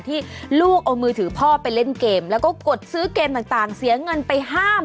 ที่ลูกเอามือถือพ่อไปเล่นเกมแล้วก็กดซื้อเกมต่างเสียเงินไป๕๐๐๐